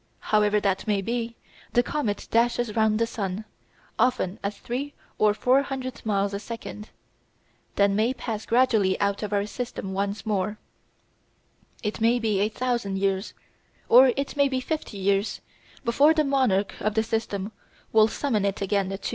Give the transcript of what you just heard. However that may be, the comet dashes round the sun, often at three or four hundred miles a second, then may pass gradually out of our system once more. It may be a thousand years, or it may be fifty years, before the monarch of the system will summon it again to make its fiery journey round his throne.